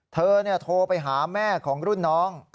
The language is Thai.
เธอโทรไปหาแม่ของรุ่นน้อง